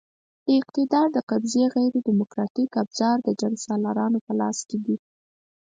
د اقتدار د قبضې غیر دیموکراتیک ابزار د جنګسالارانو په لاس کې دي.